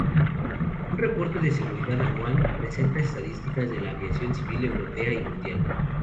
El "Reporte de Seguridad Anual" presenta estadísticas de la aviación civil europea y mundial.